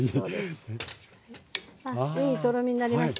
いいとろみになりました。